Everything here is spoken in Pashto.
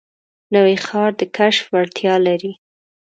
نوی ښار د کشف وړتیا لري